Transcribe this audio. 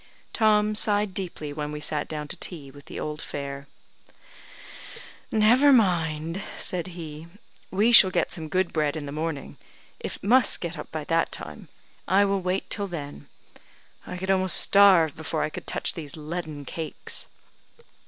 Tom sighed deeply when we sat down to tea with the old fare. "Never mind," said he, "we shall get some good bread in the morning; it must get up by that time. I will wait till then. I could almost starve before I could touch these leaden cakes."